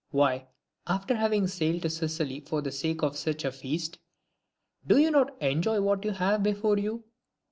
why, after having sailed to Sicily for the sake of such a feast, do you not now enjoy what you have before you?"